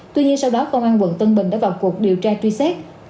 tuy nhiên sau đó công an quận tân bình đã vào cuộc điều tra truy xét